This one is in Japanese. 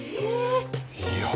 いや。